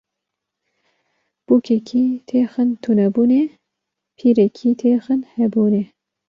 Bûkekî têxin tunebûnê, pîrekî têxin hebûnê